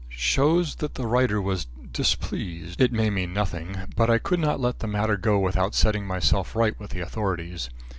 "Shows that the writer was displeased. It may mean nothing, but I could not let the matter go without setting myself right with the authorities.